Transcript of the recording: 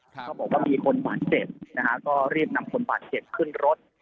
ก็บอกว่ามีคนบาดเจ็บนะฮะก็รีบนำคนบาดเจ็บขึ้นรถ